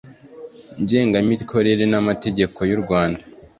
ngengamikorere n amategeko y urwanda